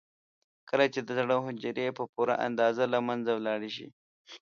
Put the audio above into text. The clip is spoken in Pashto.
کله چې د زړه حجرې په پوره اندازه له منځه لاړې شي.